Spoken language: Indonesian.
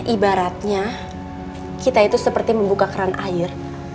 ibaratnya kita itu seperti membuka keran air